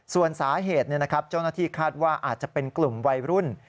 ส่วนสาเหตุเจ้าหน้าที่คาดว่าอาจจะเป็นกลุ่มวัยรุ่น